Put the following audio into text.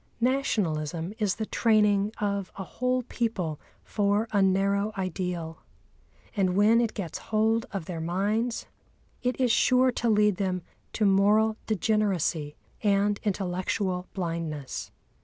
Nationalism is the training of a whole people for a narrow ideal; and when it gets hold of their minds it is sure to lead them to moral degeneracy and intellectual blindness.